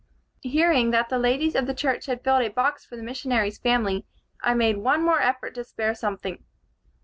"Hearing that the ladies of the church had filled a box for the missionary's family, I made one more effort to spare something.